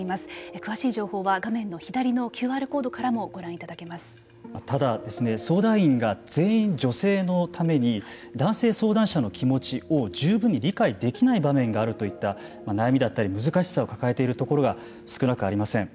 詳しい情報は画面の左のＱＲコードからもただ、相談員が全員女性のために男性相談者の気持ちを十分に理解できない場面があるといった悩みだったり難しさを抱えているところが少なくありません。